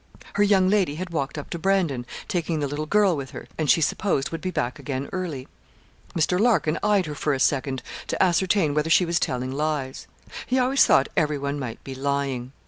Her young lady had walked up to Brandon, taking the little girl with her, and she supposed would be back again early. Mr. Larkin eyed her for a second to ascertain whether she was telling lies. He always thought everyone might be lying.